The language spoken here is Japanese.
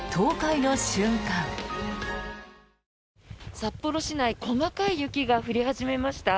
札幌市内細かい雪が降り始めました。